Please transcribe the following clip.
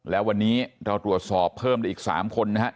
แล้ววันนี้เราตรวจสอบเพิ่มได้อีก๓คนนะครับ